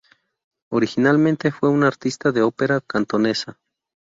Originalmente fue un artista de ópera cantonesa.